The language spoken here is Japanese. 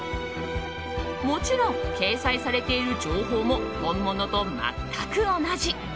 もちろん、掲載されている情報も本物と全く同じ。